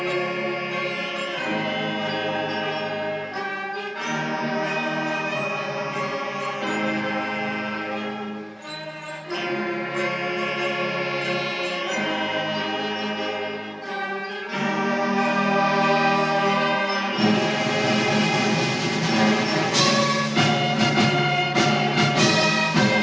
undangan dimohon berdiri